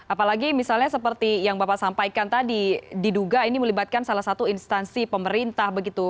apalagi misalnya seperti yang bapak sampaikan tadi diduga ini melibatkan salah satu instansi pemerintah begitu